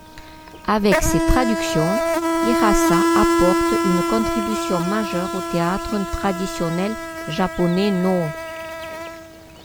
Avec ses traductions, Hirasa apporte une contribution majeure au théâtre traditionnel japonais nō.